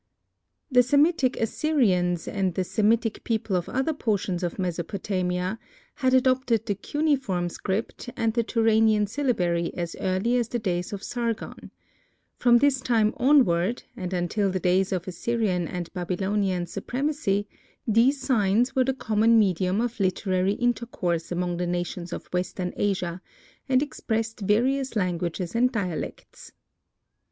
THE Semitic Assyrians and the Semitic people of other portions of Mesopotamia, had adopted the cuneiform script and the Turanian syllabary as early as the days of Sargon. From this time onward, and until the days of Assyrian and Babylonian supremacy, these signs were the common medium of literary intercourse among the nations of western Asia and expressed various languages and dialects.